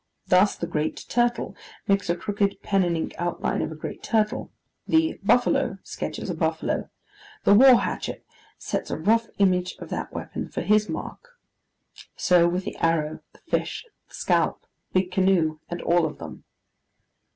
Thus, the Great Turtle makes a crooked pen and ink outline of a great turtle; the Buffalo sketches a buffalo; the War Hatchet sets a rough image of that weapon for his mark. So with the Arrow, the Fish, the Scalp, the Big Canoe, and all of them.